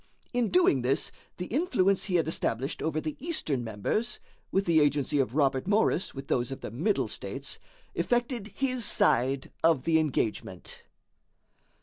In doing this, the influence he had established over the eastern members, with the agency of Robert Morris with those of the Middle States, effected his side of the engagement."